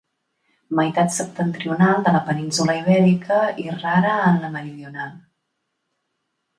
Meitat septentrional de la península Ibèrica i rara en la meridional.